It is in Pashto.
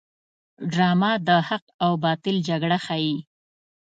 ډرامه د حق او باطل جګړه ښيي